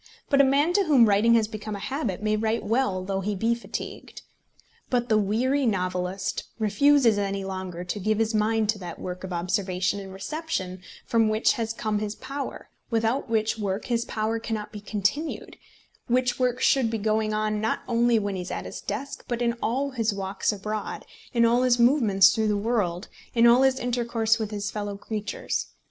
But a man to whom writing has become a habit may write well though he be fatigued. But the weary novelist refuses any longer to give his mind to that work of observation and reception from which has come his power, without which work his power cannot be continued, which work should be going on not only when he is at his desk, but in all his walks abroad, in all his movements through the world, in all his intercourse with his fellow creatures.